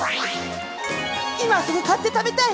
今すぐ買って食べたい！